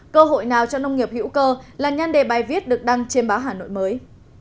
cơ hội nào cho nông nghiệp hữu cơ là nhân đề bài viết được đăng trên báo hà nội mới